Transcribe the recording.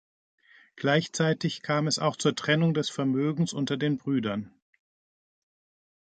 Gleichzeitig kam es auch zur Trennung des Vermögens unter den Brüdern.